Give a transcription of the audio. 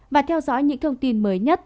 và theo dõi những thông tin mới nhất